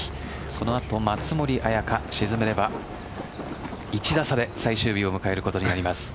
その後、松森彩夏沈めれば１打差で最終日を迎えることになります。